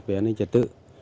về an ninh trật tự